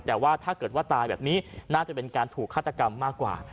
แต่ว่าถ้าเกิดว่าตายแบบนี้น่าจะเป็นการถูกฆาตกรรมมากกว่า